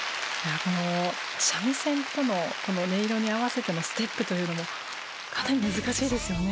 この三味線とのこの音色に合わせてのステップというのもかなり難しいですよね。